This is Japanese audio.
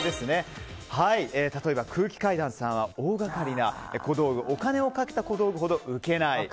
例えば、空気階段さんは大がかりな小道具お金をかけた小道具ほどウケない。